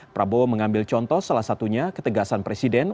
prabowo mengambil contoh salah satunya ketegasan presiden